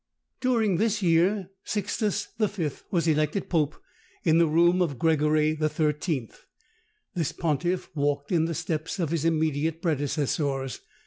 During this year Sixtus V. was elected pope in the room of Gregory XIII. This pontiff walked in the steps of his immediate predecessors.